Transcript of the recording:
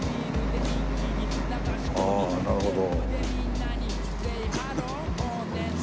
ああなるほど。